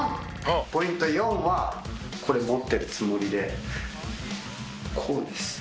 ポイント４はこれ持ってるつもりでこうです。